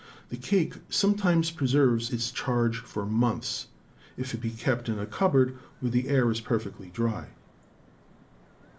"The cake sometimes preserves its charge for months, if it be kept in a cupboard where the air is perfectly dry.